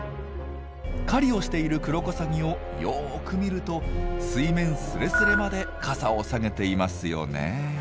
狩りをしているクロコサギをよく見ると水面スレスレまで傘を下げていますよね。